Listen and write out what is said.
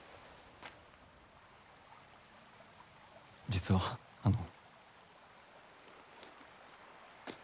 実はあの。